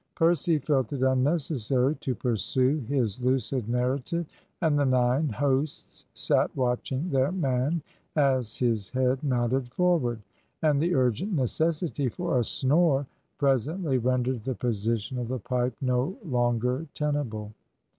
Percy felt it unnecessary to pursue his lucid narrative, and the nine hosts sat watching their man as his head nodded forward, and the urgent necessity for a snore presently rendered the position of the pipe no longer tenable.